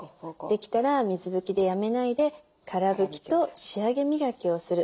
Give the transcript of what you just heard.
できたら水拭きでやめないでから拭きと仕上げ磨きをする。